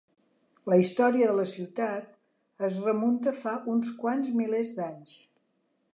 La història de la ciutat es remunta fa uns quants milers d'anys.